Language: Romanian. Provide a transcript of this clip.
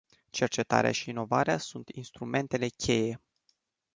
Cercetarea și inovarea sunt instrumentele cheie.